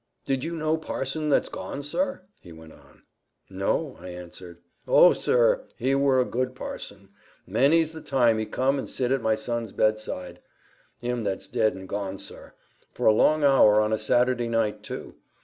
"Did you know parson that's gone, sir?" he went on. "No," I answered. "Oh, sir! he wur a good parson. Many's the time he come and sit at my son's bedside—him that's dead and gone, sir—for a long hour, on a Saturday night, too.